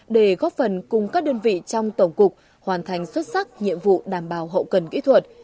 để góp phần cùng các đơn vị trong tổng cục hoàn thành xuất sắc nhiệm vụ đảm bảo hậu cần kỹ thuật